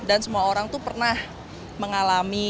dan semua orang itu pernah mengalami